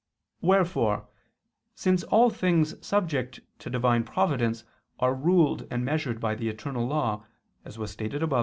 Wherefore, since all things subject to Divine providence are ruled and measured by the eternal law, as was stated above (A.